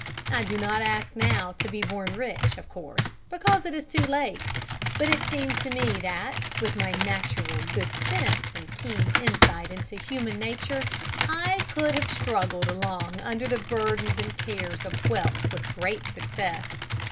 I do not ask now to be born rich, of course, because it is too late; but it seems to me that, with my natural good sense and keen insight into human nature, I could have struggled along under the burdens and cares of wealth with great success.